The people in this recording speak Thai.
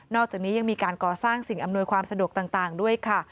อกจากนี้ยังมีการก่อสร้างสิ่งอำนวยความสะดวกต่างด้วยค่ะ